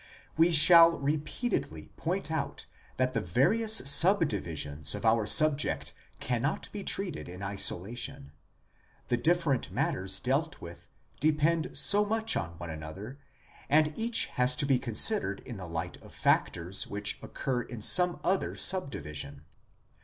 We shall repeatedly point out that the various sub divisions of our subject cannot be treated in isolation ; the different matters dealt with depend so much on one another, and each has to be considered in the light of factors which occur SOME PRELIMINARY CONSIDERATIONS 11 in some other sub division.